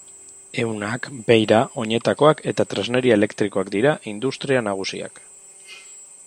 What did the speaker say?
Ehunak, beira, oinetakoak eta tresneria elektrikoa dira industria nagusiak.